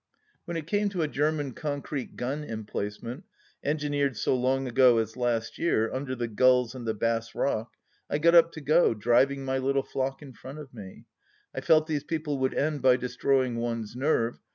When it came to a (Jerman concrete gun emplacement, engineered so long ago as last year, under the gulls on the Bass Rock, I got up to go, driving my little flock in front of me 1 I felt these people would end by destroying one's nerve.